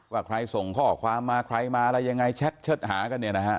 ว่าใครส่งข้อความมาใครมาอะไรยังไงแชทเชิดหากันเนี่ยนะฮะ